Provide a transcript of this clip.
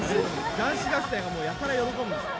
男子学生がもうやたら喜ぶんですよ。